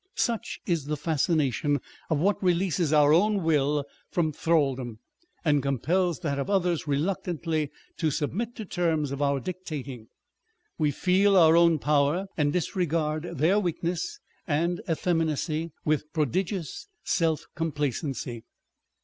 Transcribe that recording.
Such is the fascination of what releases our own will from thraldom, and compels that of others reluctantly to submit to terms of our dictating ! We feel our own power, and disregard their weakness and effeminacy with prodigious self complacency.